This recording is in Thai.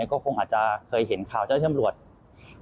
ก็คงอาจจะเคยเห็นข่าวเจ้าที่ตำรวจ